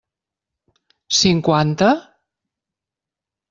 Cinquanta?